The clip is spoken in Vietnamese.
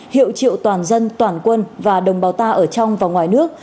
hiệu triệu toàn dân toàn quân và đồng bào ta ở trong và ngoài nước